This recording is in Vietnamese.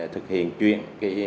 thực hiện chuyển